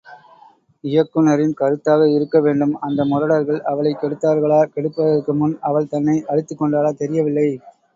இயக்குநரின் கருத்தாக இருக்கவேண்டும், அந்த முரடர்கள் அவளைக் கெடுத்தார்களா கெடுப்பதற்கு முன் அவள் தன்னை அழித்துக் கொண்டாளா தெரியவில்லை.